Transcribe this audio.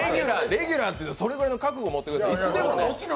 レギュラーってそれぐらいの覚悟を持ってください。